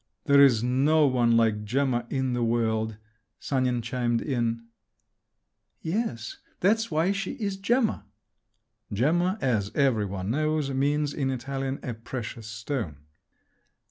"There is no one like Gemma in the world!" Sanin chimed in. "Yes; that's why she is Gemma!" (Gemma, as every one knows, means in Italian a precious stone.)